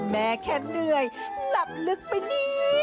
แม่แค่เหนื่อยหลับลึกไปนี่